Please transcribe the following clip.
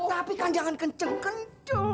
tapi kan jangan kenceng kenceng